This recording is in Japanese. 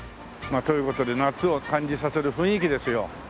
まあという事で夏を感じさせる雰囲気ですよ。